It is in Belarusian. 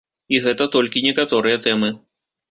І гэта толькі некаторыя тэмы.